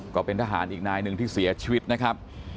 ก็เป็นทหารอีกนายหนึ่งที่เสียชีวิตนะครับ